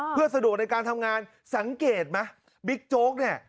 เพื่อสะดวกในการทำงานสังเกตไหมบิ๊กโจ๊กเนี่ย